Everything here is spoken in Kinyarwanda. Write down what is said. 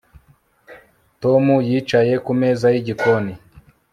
Tom yicaye kumeza yigikoni